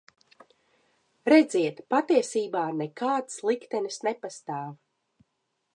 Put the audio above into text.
Redziet, patiesībā nekāds liktenis nepastāv.